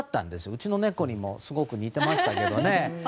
うちの猫にもすごく似てましたけどね。